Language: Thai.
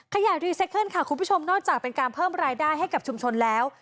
รีไซเคิลค่ะคุณผู้ชมนอกจากเป็นการเพิ่มรายได้ให้กับชุมชนแล้ว